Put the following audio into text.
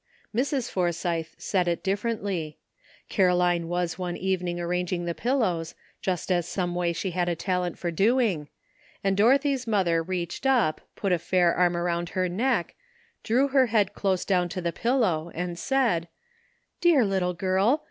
Mrs. Forsythe said it differently. Caroline was one evening arranging the pillows, just as some way she had a talent for doing, and Doro thy's mother reached up, put a fair arm around her neck, drew her head close down to the pil low, and said: "Dear little girl!